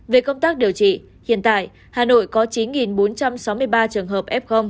về công tác điều trị hiện tại hà nội có chín bốn trăm sáu mươi ba trường hợp f